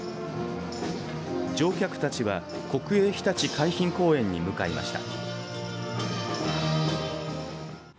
乗客たちは国営ひたち海浜公園に向かいました。